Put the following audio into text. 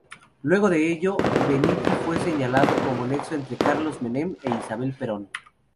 Luego de ello, Bettini fue señalado como nexo entre Carlos Menem e Isabel Perón.